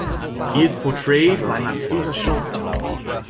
He is portrayed by Matsuda Shota.